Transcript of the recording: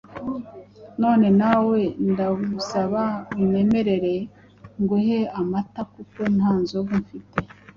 none na we ndagusaba unyemerere nguhe amata kuko nta nzoga mfite.